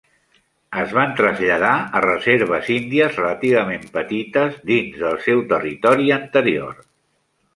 Es van traslladar a reserves índies relativament petites dins del seu territori anterior.